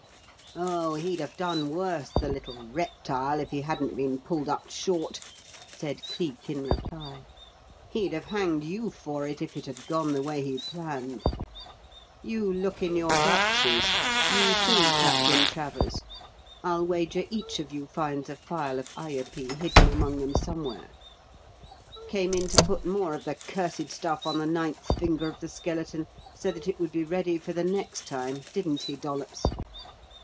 "Oh, he'd have done worse, the little reptile, if he hadn't been pulled up short," said Cleek in reply. "He'd have hanged you for it, if it had gone the way he planned. You look in your boxes; you, too, Captain Travers. I'll wager each of you finds a phial of Ayupee hidden among them somewhere. Came in to put more of the cursed stuff on the ninth finger of the skeleton, so that it would be ready for the next time, didn't he, Dollops?"